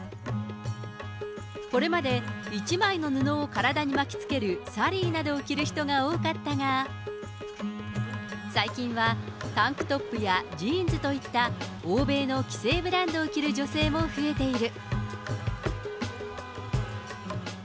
これまで１枚の布を体に巻きつけるサリーなどを着る人が多かったが、最近は、タンクトップやジーンズといった、欧米の既製ブランドを着る女性も増えている。